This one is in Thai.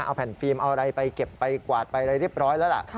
เอาแผ่นฟิล์มเอาอะไรไปเก็บไปกวาดไปอะไรเรียบร้อยแล้วล่ะ